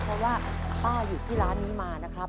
เพราะว่าป้าอยู่ที่ร้านนี้มานะครับ